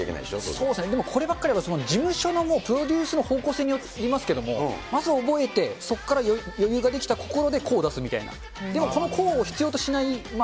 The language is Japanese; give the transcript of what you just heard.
そうですね、でも、こればっかりは事務所のもう、プロデュースの方向性によりますけども、まずは覚えて、そこから余裕ができたところからこう出すみたいな、でも、この個今はね。